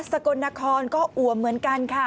กลนครก็อวมเหมือนกันค่ะ